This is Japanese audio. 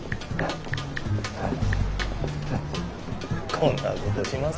こんなことします？